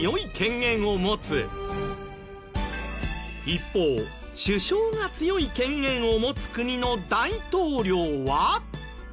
一方首相が強い権限を持つ国の大統領は？